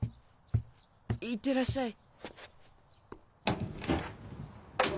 いってらっしゃい。